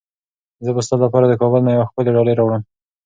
زه به ستا لپاره د کابل نه یوه ښکلې ډالۍ راوړم.